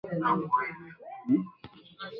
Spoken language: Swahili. kuna viazi lishe vya aina mbali mbali